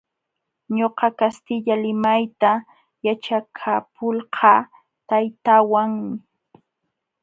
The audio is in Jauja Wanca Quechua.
Ñuqa kastilla limayta yaćhapakulqaa taytaawanmi.